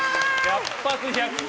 百発百中。